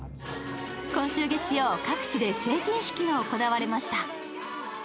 今週月曜、各地で成人式が行われました。